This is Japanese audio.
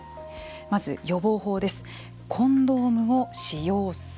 まず、予防法です。